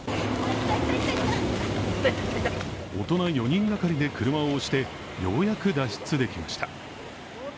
大人４人がかりで車を押してようやく脱出できました。